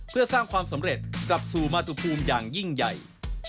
เพื่อสร้างความสำเร็จกลับสู่มาตุภูมิอย่างยิ่งใหญ่